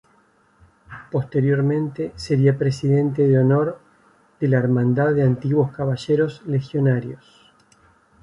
Posteriormente sería presidente de honor de la Hermandad de Antiguos Caballeros Legionarios.